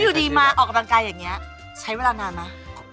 แล้วยกดีมั้ยออกกำลังกายแบบนี้ใช้เวลานานไหม